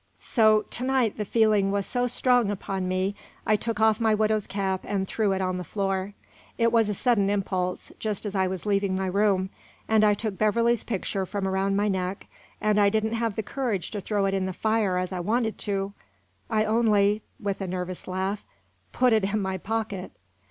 "So to night the feeling was so strong upon me, I took off my widow's cap and threw it on the floor; it was a sudden impulse, just as I was leaving my room, and I took Beverley's picture from around my neck, and I didn't have the courage to throw it in the fire as I wanted to; I only" with a nervous laugh "put it in my pocket."